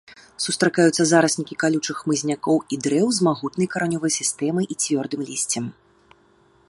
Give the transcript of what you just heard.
Сустракаюцца зараснікі калючых хмызнякоў і дрэў з магутнай каранёвай сістэмай і цвёрдым лісцем.